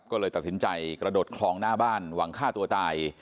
ก็เลยตัดสินใจกระโดดคลองหน้าบ้านหวังฆ่าตัวตาย